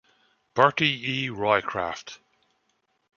Bertie E. Roycraft.